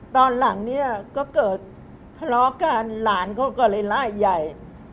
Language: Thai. ตอนหลังเนี่ยก็เกิดทะเลาะกันหลานเขาก็เลยไล่ใหญ่